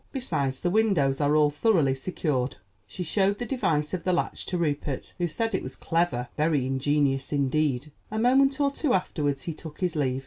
Besides, the windows are all thoroughly secured." She showed the device of the latch to Rupert, who said it was clever, very ingenious indeed. A moment or two afterwards he took his leave.